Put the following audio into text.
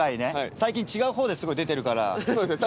最近違うほうですごい出てるから。